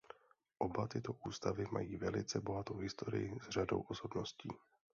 Oba tyto ústavy mají velice bohatou historii s řadou osobností.